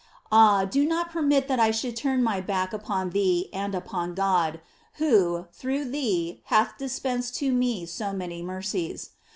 Ah, do not permit that I should turn my back upon thee and upon God, who, through thee, hath dispens ed to me so many mercies.